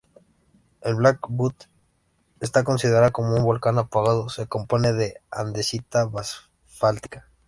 El Black Butte está considerado como un volcán apagado, se compone de andesita basáltica.